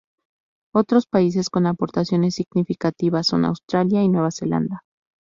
Otros países con aportaciones significativas son Australia y Nueva Zelanda.